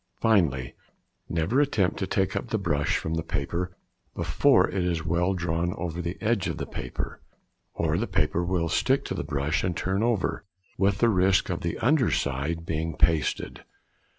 Finally, never attempt to take up the brush from the paper before it is well drawn over the edge of the paper, or the paper will stick to the brush and turn over, with the risk of the under side being pasted.